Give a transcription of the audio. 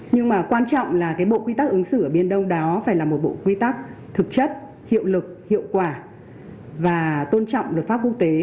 nhưng mà quan trọng là cái bộ quy tắc ứng xử ở biển đông đó phải là một bộ quy tắc thực chất hiệu lực hiệu quả và tôn trọng luật pháp quốc tế